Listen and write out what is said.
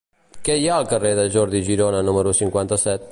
Què hi ha al carrer de Jordi Girona número cinquanta-set?